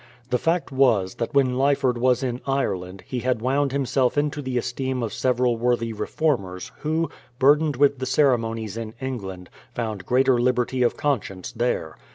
The fact was, that when Lyford was in Ireland, he had wound himself into the esteem of several worthy reformers, who, burdened with the cere monies in England, found greater liberty of conscience there.